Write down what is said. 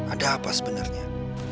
ada apa sebenarnya